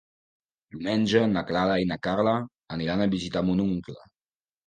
Diumenge na Clara i na Carla aniran a visitar mon oncle.